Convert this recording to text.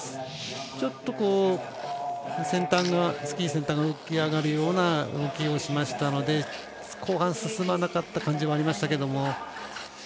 ちょっとスキー先端が浮き上がるような動きをしましたので後半、進まなかった感じはありましたが。